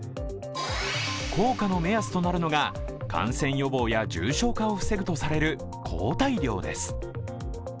効果の目安となるのが感染予防や重症化を防ぐとされる抗体量です。